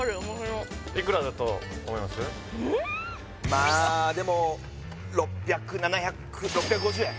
まあでも６００７００６５０円？